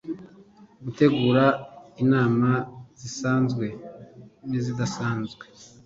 gutegura inama zisanzwe n izidasanzwe